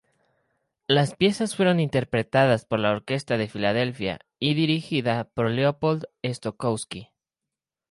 Las piezas fueron interpretadas por la Orquesta de Filadelfia y dirigida por Leopold Stokowski.